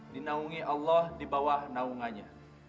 dinaungi allah di bawah naungannya